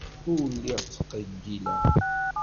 Ur lliɣ ttqeyyileɣ.